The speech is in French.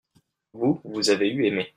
vous, vous avez eu aimé.